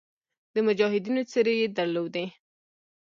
د مجاهدینو څېرې یې درلودې.